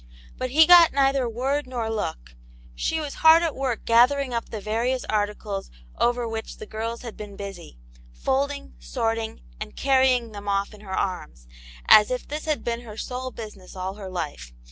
But he got neither word nor look. She was hard at work gathering up the various articles over which the girls had been busy, folding, sorting, and carrying them off in her arms, as if this l\^.d b^^Yv Vv^x ^^^ ^6 Aunt yane^s Hero. business all her life.